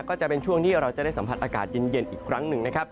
ก็จะเป็นช่วงที่เราจะได้สัมผัสอากาศเย็นอีกครั้งหนึ่งนะครับ